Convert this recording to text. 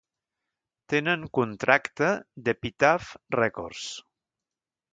Tenen contracte d'Epitaph Records.